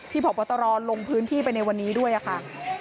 พบตรลงพื้นที่ไปในวันนี้ด้วยค่ะ